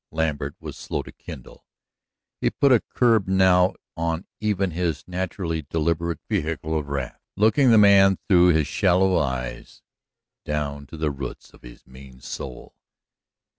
Lambert was slow to kindle. He put a curb now on even his naturally deliberate vehicle of wrath, looking the man through his shallow eyes down to the roots of his mean soul.